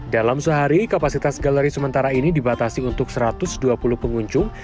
dalam sehari kapasitas galeri sementara ini dibatasi untuk satu ratus dua puluh pengunjung